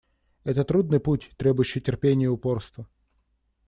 Это трудный путь, требующий терпения и упорства.